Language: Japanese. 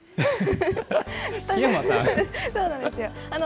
そうなんですよ。